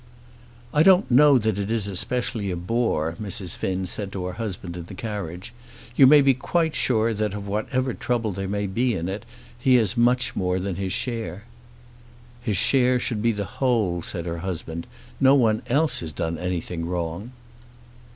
"I don't know that it is especially a bore," Mrs. Finn said to her husband in the carriage. "You may be quite sure that of whatever trouble there may be in it, he has much more than his share." "His share should be the whole," said her husband. "No one else has done anything wrong."